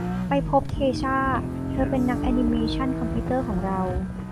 ไปพบเคช่า เธอเป็นนักแอนนิเมชั่นคอมพิวเตอร์ของเรา